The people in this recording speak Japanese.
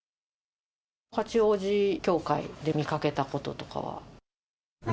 八王子教会で見かけたこととかは？